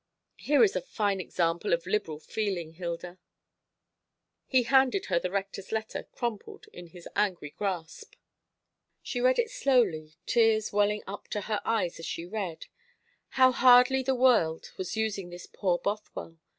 Here is a fine example of liberal feeling, Hilda." He handed her the Rector's letter, crumpled in his angry grasp. She read it slowly, tears welling up to her eyes as she read. How hardly the world was using this poor Bothwell!